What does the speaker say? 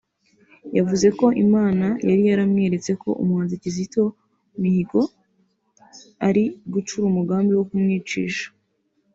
yavuze ko Imana yari yaramweretse ko umuhanzi Kizito Mihigo ari gucura umugambi wo kumwicisha